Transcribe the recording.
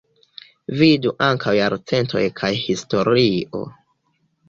Vidu ankaŭ: Jarcentoj kaj Historio.